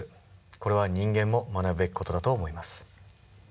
これは人間も学ぶべき事だと思います。